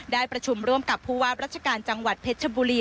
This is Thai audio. ได้ประชุมร่วมกับผู้ว่าราชการจังหวัดเพชรชบุรี